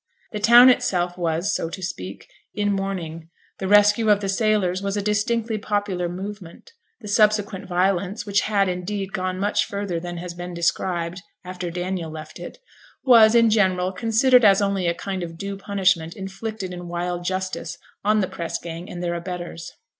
The town itself was, so to speak, in mourning. The rescue of the sailors was a distinctly popular movement; the subsequent violence (which had, indeed, gone much further than has been described, after Daniel left it) was, in general, considered as only a kind of due punishment inflicted in wild justice on the press gang and their abettors.